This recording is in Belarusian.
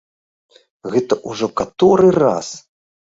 Гэта ўжо каторы раз!